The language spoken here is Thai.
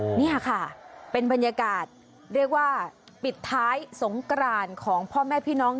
นี่ค่ะเป็นบรรยากาศเรียกว่าปิดท้ายสงกรานของพ่อแม่พี่น้อง